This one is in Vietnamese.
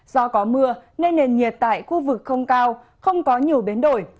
do có mưa nên nền nhiệt tại khu vực không cao không có nhiều biến đổi